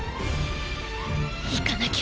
行かなきゃ！